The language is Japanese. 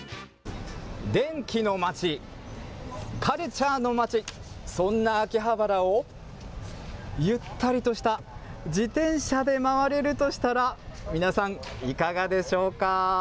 電気の街、カルチャーの街、そんな秋葉原をゆったりとした自転車で回れるとしたら、皆さん、いかがでしょうか。